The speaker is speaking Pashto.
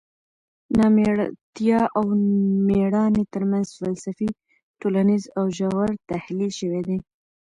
نامېړتیا او مېړانې ترمنځ فلسفي، ټولنیز او ژور تحلیل شوی دی.